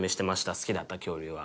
好きだった恐竜は。